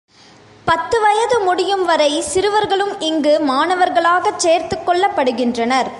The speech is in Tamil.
பத்து வயது முடியும்வரை, சிறுவர்களும் இங்கு மாணவர்களாகச் சேர்த்துக் கொள்ளப்படுகின்றனர்.